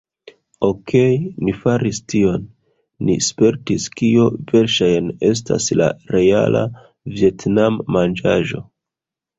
"Okej ni faris tion; ni spertis kio verŝajne estas la reala vjetnama manĝaĵo"